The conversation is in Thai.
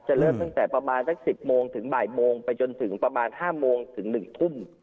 เริ่มตั้งแต่ประมาณสัก๑๐โมงถึงบ่ายโมงไปจนถึงประมาณ๕โมงถึง๑ทุ่ม